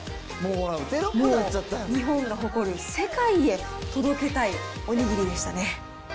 もう、日本が誇る、世界へ届けたいおにぎりでしたね。